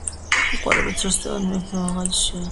იყო არაბეთს როსტევან მეფე მაღალი სვიანი